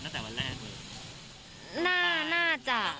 คิดไหมว่าเป็นไปได้โดนตั้งแต่วันแรก